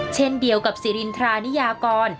เช่นเดียวกับสิรินทรานิยากร